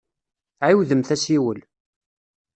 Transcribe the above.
Ɛiwdemt asiwel.